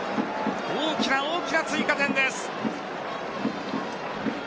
大きな大きな追加点です。